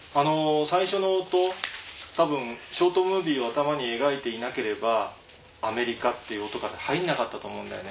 最初の音多分ショートムービーを頭に描いていなければ「アメリカ」っていう音から入らなかったと思うんだよね。